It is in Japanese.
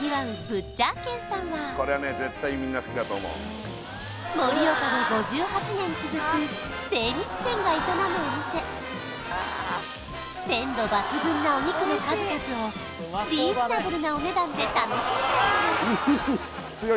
ブッチャー軒さんは盛岡で５８年続く精肉店が営むお店鮮度抜群なお肉の数々をリーズナブルなお値段で楽しめちゃうんです！